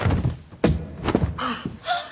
あっ！